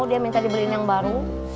dia minta diberin yang baru